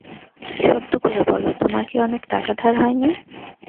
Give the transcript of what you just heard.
সত্য করে বলো, তোমার কি অনেক টাকা ধার হয় নি।